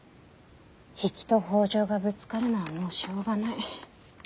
比企と北条がぶつかるのはもうしょうがない。